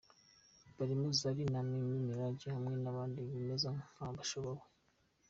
harimo.” Zari, na Mimi mirage, hamwe na bandi bameze nka bashobewe,